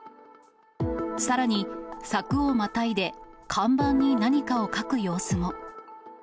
さらに、柵をまたいで、看板に何かを書く様子も。